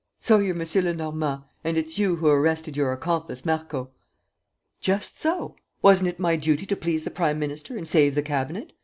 So you're M. Lenormand, and it's you who arrested your accomplice Marco!" "Just so! Wasn't it my duty to please the prime minister and save the cabinet?